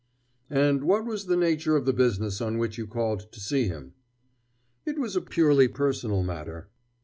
"And what was the nature of the business on which you called to see him?" "It was a purely personal matter."